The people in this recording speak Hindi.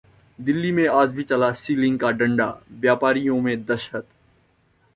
दिल्ली में आज भी चला सीलिंग का डंडा, व्यापारियों में दशहत